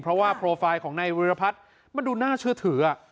เพราะว่าโปรไฟล์ของนายวิรพัฒน์มันดูน่าเชื่อถือ